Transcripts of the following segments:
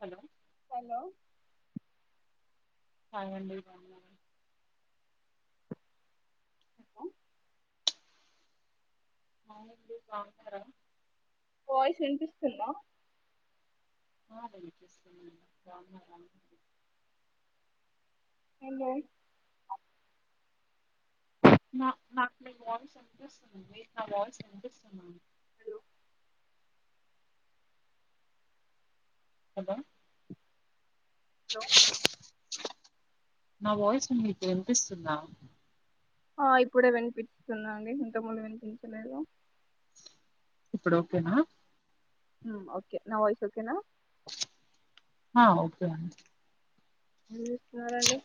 Hello hello hi అండి బాగున్నారా hi అండి బాగున్నారా వాయిస్ వినిపిస్తుందా ఆ వినిపిస్తుంది అండి నార్మల్ గా, ఏందే నా నాకు న వాయిస్ వినిపిస్తుంది నా వాయిస్ వ వినిపిస్తుందా, హలో హలో నా వాయిస్ మీకు వినిపిస్తుందా, ఆ ఇప్పుడే వినిపిస్తుంది అండి ఇంతముందు వినిపించలేదు, ఇప్పుడు ఓకేనా, ఓకే నా వాయిస్ ఒకేనా, అ ఓకే అండి, ఏం చేస్తున్నారండి,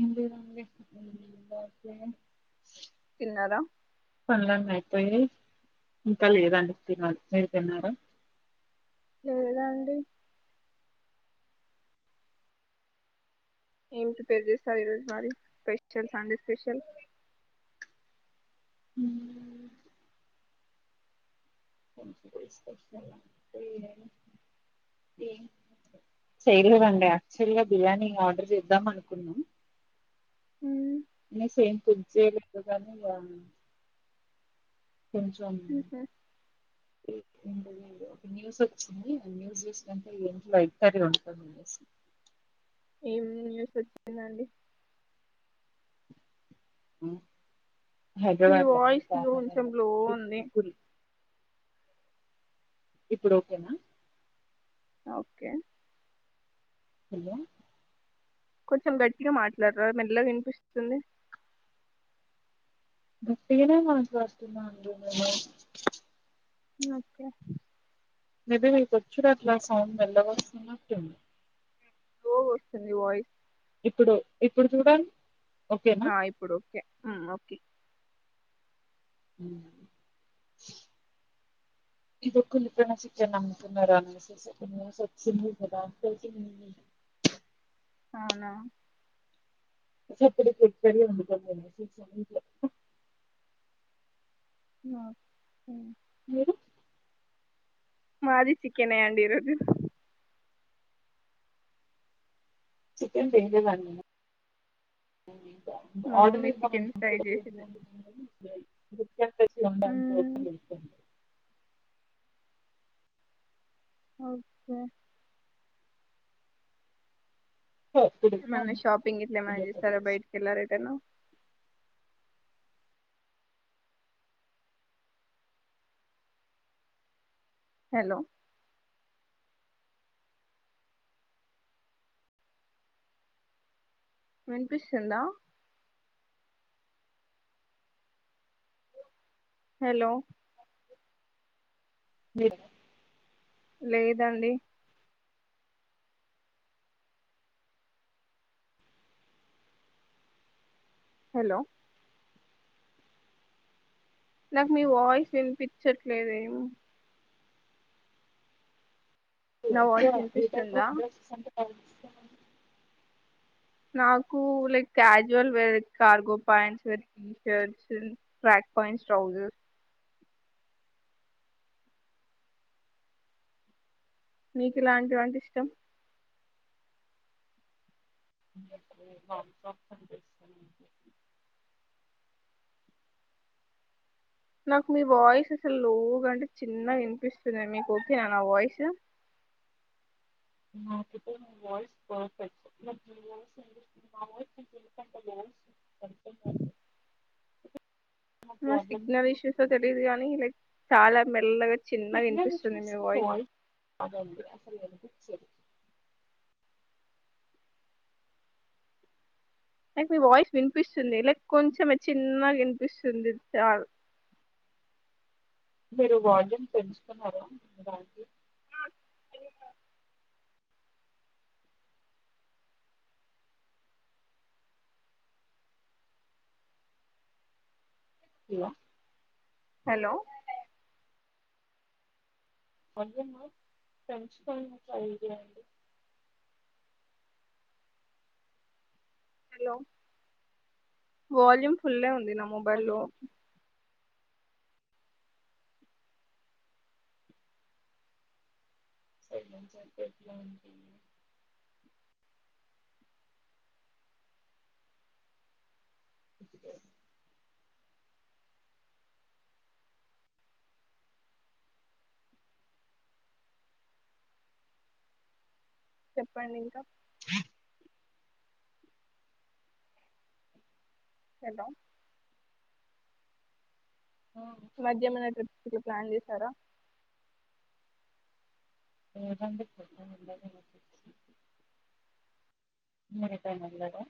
ఎంలేదండి [unintelligible] తిన్నారా, పనులన్నీ అయిపోయా ఇంకా లేదండి తినాలి మీరు తిన్నార, లేదు అండి, ఏమి ప్రిపేరు చేస్తారు ఈరోజు మరి స్పెషల్ సండే స్పెషల్, హు ఎ ఎం చేయలేదండి యాక్చువల్ గా బిర్యానీ ఆర్డర్ చేద్దాం అనుకున్నాం, ఉమ్, అనేసి ఏం కుక్ [unintelligible] కొంచెం ఉహు. ఒక న్యూస్ వచ్చింది ఆ న్యూస్ చూసినంక ఈగ ఇంట్లో ఎగ్గు కర్రీ వండుతా అనేసి, ఏం న్యూస్ వచ్చిందండి, ఊ మీ వాయిస్ లో కొంచెం లో ఉంది, కురి. ఇప్పుడు ఓకేనా, ఓకే హలో కొంచెం గట్టిగా మాట్లాడరా మెల్ల గా వినిపిస్తుంది, గట్టిగానే మాట్లాడుతున్న అండి నేను, ఓకే మేబి మీకు వచ్చుడు అట్ల సౌండ్ మెల్లగాస్తున్నట్టుంది, లో వస్తుంది వాయిస్, ఇప్పుడు ఇప్పుడు చూడండి, ఓకేనా ఆ ఇప్పుడు ఓకే హు ఓకే, ఊ ఎదో కుళ్ళిపోయిన చికెన్ అమ్ముతున్నారా అనేసి న్యూస్ వచ్చింది కదా తెలిసిందా, అవునా [unintelligible] [unintelligible] ఏ మాది చికెనే అండి ఈరోజు చికెన్ తింటారా అండి మా మమ్మీ చికెన్ ఫ్రై చేసింది, బ చికెన్ తెచ్చి వండు అని పెట్టి [unintelligible] ఒకే నన్ను షాపింగ్ గిట్ల ఎమైనా తీసుకెళ్ బైటకల్లె డగుతున్న హలో వినిపిస్తుందా హలో లే లేదండి హలో నాకు మీ వాయిస్ వినిపిచ్చట్లేదేమ్ నా ఎక్కువ వాయిస్ ఏ టైప్ వినిపిస్తుందా ఆఫ్ డ్రెస్సెస్ అంటే నాకు like casual wear cargo pants or T shirts track pants trousers నీకు ఇలాంటివంటి ఇష్టం నాకు కాప్ టాప్స్ అంటే ఇష్టమండి. నాకు మీ వాయిస్ అసలు లోగా అంటే చిన్నగా వినిపిస్తుంది. మీకు ఓకేనా నా వాయిస్ నాకు అయితే మీ వాయిస్ పర్ఫెక్ట్ అర్థం కావట్లేదు ఏమైనా అ ప్రాబ్లమ్ సిగ్నల్ ఇష్యూసో తెలీయదు గానీ చాలా మెల్లగా చిన్నగా సిగ్నల్ వినిపిస్తుంది ఇష్యుస్ మీ కి వాయిస్ కాదండి అసలు సరే నాక్ మీ వాయిస్ వినిపిస్తుంది లైక్ కొంచెం చిన్నగా వినిపిస్తుంది చాల్ మీరు వాల్యూమ్ పెంచుకున్నారా రానికి ఇగా హలో వాల్యూమ పెంచుకోని ట్రై చేయండి హలో వాల్యూమ్ ఫుల్లే ఉమ్ ంది నా అది మొబైల్లో సైలెన్స్ గా ఉంటే ఎట్లో ఉంటుంది చెప్పండి ఇంకా హలో ఈ రోజ్ ఫామ్ చేసారా లేదండి పొద్దున వెళ్ళారా మీరు రిటర్న్ వెళ్ళరా